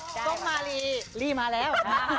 โซมมารีรีมาแล้ว